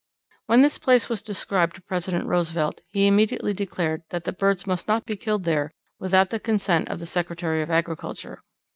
When this place was described to President Roosevelt, he immediately declared that the birds must not be killed there without the consent of the Secretary of Agriculture.